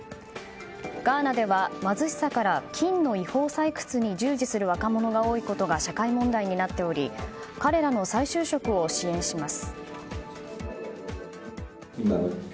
ガーナでは貧しさから金の違法採掘に従事する若者が多いことが社会問題になっており彼らの再就職を支援します。